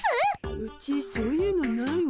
うちそういうのないわ。